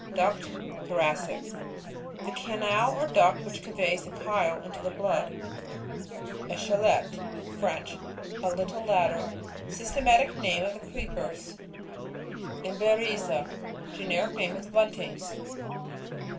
Duct (Thoracic.) — The canal or duct which conveys the chyle into the blood. EcHELETTE. — Frcnch. A little ladder. Systematic name of the Creepers. Emberiza. — Generic name of the Buntings.